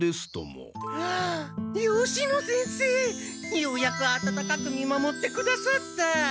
ようやく温かく見守ってくださった。